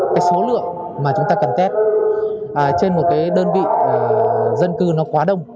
cái số lượng mà chúng ta cần test trên một đơn vị dân cư quá đông